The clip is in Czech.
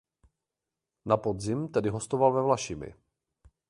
Na podzim tedy hostoval ve Vlašimi.